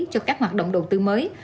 cho các hoạt động đầu tư mới